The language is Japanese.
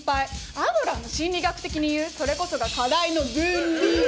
アドラーの心理学的にいうそれこそが課題の分離！